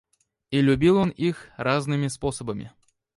И любил он их разными способами.